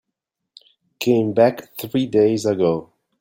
Came back three days ago.